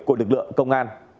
của lực lượng công an